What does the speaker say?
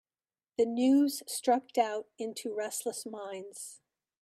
The news struck doubt into restless minds.